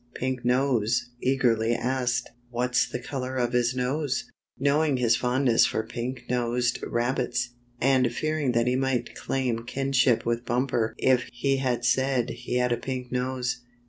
Pink Nose eagerly asked: "What's the color of his nose?" Knowing his fondness for pink nosed rabbits, and fearing that he might claim kinship with Bumper if he said he had a pink nose.